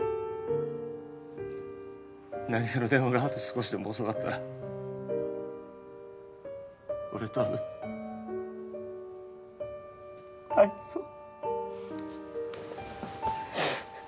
凪沙の電話があと少しでも遅かったら俺たぶんあいつを。